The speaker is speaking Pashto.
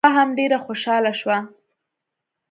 حوا هم ډېره خوشاله شوه.